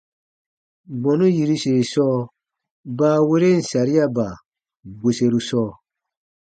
Bɔnu yiruse sɔɔ baaweren sariaba bweseru sɔɔ.